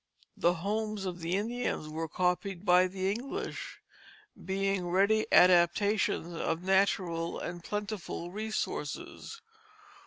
The homes of the Indians were copied by the English, being ready adaptations of natural and plentiful resources.